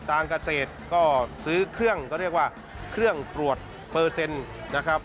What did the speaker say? ทางเกษตรก็ซื้อเครื่องก็เรียกว่าเครื่องตรวจเปอร์เซ็นต์นะครับ